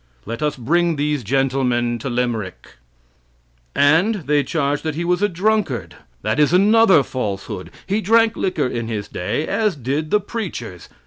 Let us bring these gentlemen to Limerick. And they charge that he was a drunkard. That is another falsehood. He drank liquor in his day, as did the preachers.